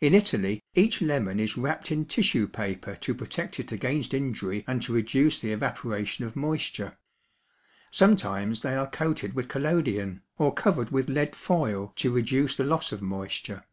In Italy each lemon is wrapped in tissue paper to protect it against injury and to reduce the evaporation of moisture. Sometimes they are coated with collodion or covered with lead foil to reduce the loss of moisture.